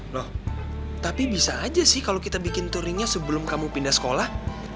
loh tapi bisa aja sih kalau kita bikin touringnya sebelum kamu pindah sekolah